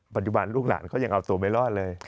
ปัจจุบันลูกหลานก็ยังเอาตัวไม่รอดเลย